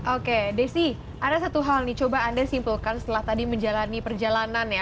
oke desi ada satu hal nih coba anda simpulkan setelah tadi menjalani perjalanan ya